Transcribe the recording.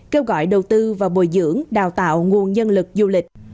kêu gọi đầu tư vào bồi dưỡng đào tạo nguồn nhân lực du lịch